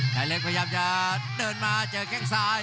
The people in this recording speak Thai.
ชายเล็กพยายามจะเดินมาเจอแข้งซ้าย